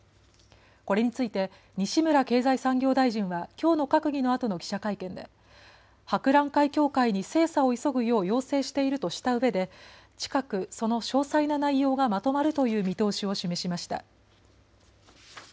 これについて西村経済産業大臣はきょうの閣議のあとの記者会見で博覧会協会に精査を急ぐよう要請しているとしたうえで近くその詳細な内容がまとまるという見通しを示しました。